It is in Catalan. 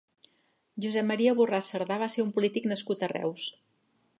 Josep Maria Borràs Sardà va ser un polític nascut a Reus.